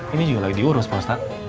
ini juga lagi diurus pak ustadz